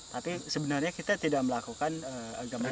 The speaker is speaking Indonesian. tapi sebenarnya kita tidak melakukan agama